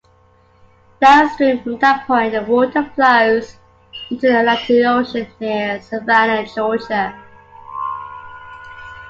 Downstream from that point, the water flows into the Atlantic Ocean near Savannah, Georgia.